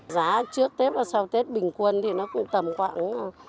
giá trước tết và sau tết bình quân thì nó cũng tầm khoảng sáu mươi năm bảy mươi